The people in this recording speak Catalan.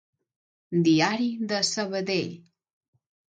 Diari de Sabadell.